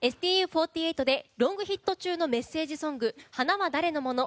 ＳＴＵ４８でロングヒット中のメッセージソング「花は誰のもの？」。